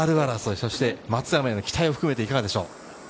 そして松山への期待を含めていかがでしょう。